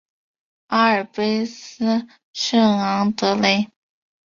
阿尔卑斯圣昂德雷。